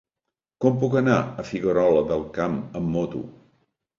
Com puc arribar a Figuerola del Camp amb moto?